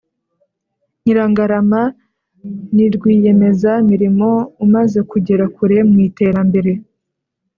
Nyirangarama nirwiyemeza mirimo umaze kugera kure mwiterambere